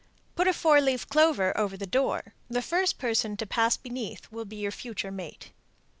Put a four leaved clover over the door. The first person to pass beneath will be your future mate.